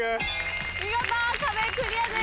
見事壁クリアです。